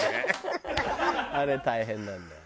あれ大変なんだよ。